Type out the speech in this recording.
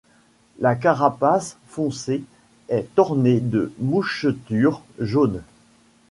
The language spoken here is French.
La carapace foncée est ornée de mouchetures jaunes.